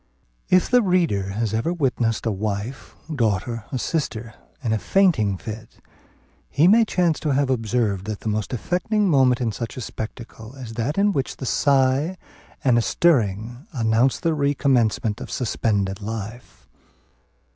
If the reader has ever witnessed a wife, daughter, or sister, in a fainting fit, he may chance to have observed that the most affecting moment in such a spectacle, is that in which a sigh and a stirring announce the recommencement of suspended life.